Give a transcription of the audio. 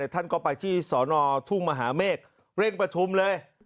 ท่านก็ไปที่สอนอทุ่งมหาเมฆเร่งประชุมเลย